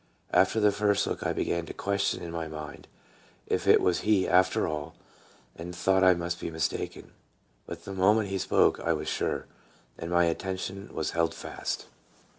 After the first look I began to question in my mind if it was he after all, and thought I must be mistaken; but the moment he spoke I was sure, and my attention was held fast.